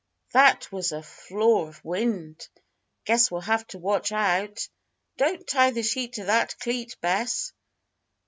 "That was a flaw of wind. Guess we'll have to watch out. Don't tie the sheet to that cleat, Bess."